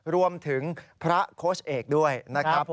รวมถึงพระโค้ชเอกด้วยนะครับ